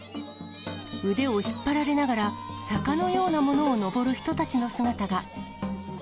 腕を引っ張られながら、坂のようなものを登る人たちの姿が。